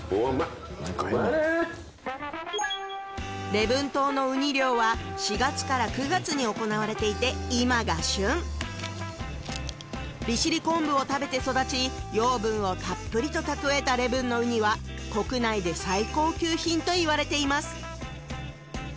礼文島のウニ漁は４月から９月に行われていて今が旬利尻昆布を食べて育ち養分をたっぷりと蓄えた礼文のウニは国内で最高級品と言われています